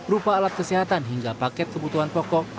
rupa alat kesehatan hingga paket kebutuhan pokok